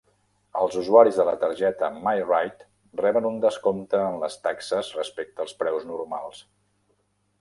Els usuaris de la targeta MyRide reben un descompte en les taxes respecte als preus normals.